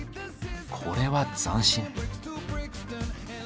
これは斬新。